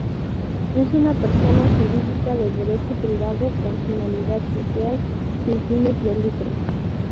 Es una persona jurídica de derecho privado, con finalidad social, sin fines de lucro.